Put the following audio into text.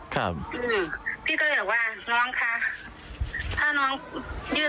เขามาหาพี่เขาบอกว่าผมเขาร่วงเขาไปหาผมมาประมาณนั้นแหละค่ะครับอืม